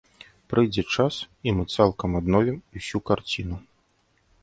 Прыйдзе час, і мы цалкам адновім усю карціну.